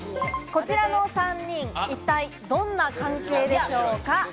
こちらの３人、一体どんな関係でしょうか？